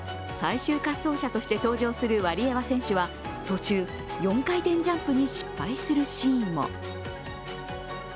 最終滑走者として登場するワリエワ選手は途中、４回転ジャンプに失敗するシーンも。